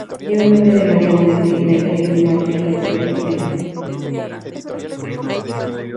Lleva el nombre de María Goretti, laica y mártir católica italiana.